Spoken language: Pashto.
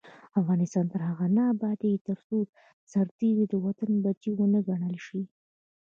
افغانستان تر هغو نه ابادیږي، ترڅو سرتیری د وطن بچی ونه ګڼل شي.